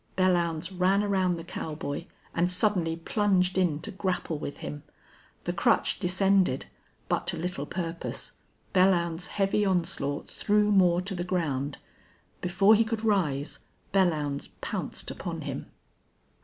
Belllounds ran around the cowboy, and suddenly plunged in to grapple with him. The crutch descended, but to little purpose. Belllounds's heavy onslaught threw Moore to the ground. Before he could rise Belllounds pounced upon him.